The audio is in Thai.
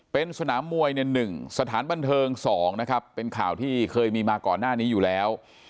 เป็นสนามมวยใน๑สถานบันเทิง๒นะครับเป็นข่าวที่เคยมีมาก่อนหน้านี้อยู่แล้ว